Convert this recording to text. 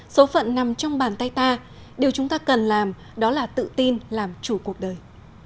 số phận nằm trong bàn tay ta điều chúng ta cần làm đó là tự tin làm chủ cuộc đời